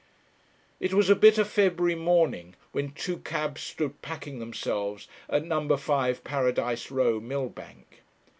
It was a bitter February morning, when two cabs stood packing themselves at No. 5, Paradise Row, Millbank.